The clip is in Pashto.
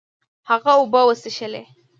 هغه اوبه وڅښلې.